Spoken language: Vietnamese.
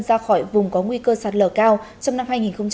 ra khỏi vùng có nguy cơ sạt lở cao trong năm hai nghìn một mươi sáu